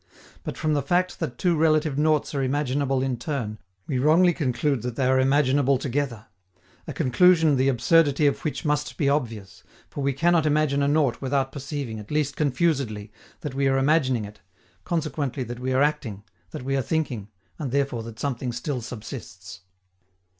But, from the fact that two relative noughts are imaginable in turn, we wrongly conclude that they are imaginable together: a conclusion the absurdity of which must be obvious, for we cannot imagine a nought without perceiving, at least confusedly, that we are imagining it, consequently that we are acting, that we are thinking, and therefore that something still subsists.